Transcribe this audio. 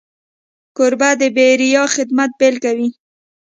کوربه د بېریا خدمت بيلګه وي.